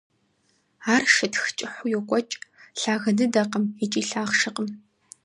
Ар шытх кӀыхьу йокӀуэкӀ, лъагэ дыдэкъым икӀи лъахъшэкъым.